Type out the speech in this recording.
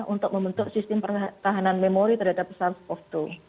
untuk membentuk sistem pertahanan memori terhadap sars cov dua